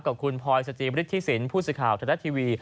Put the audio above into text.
กับคุณพอยสจิบริษฐิสินผู้สิทธิ์ข่าวทะละทีวี